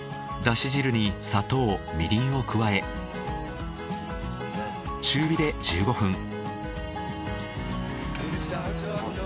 だし汁に砂糖みりんを加え中火で１５分。